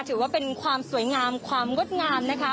ถือว่าเป็นความสวยงามความงดงามนะคะ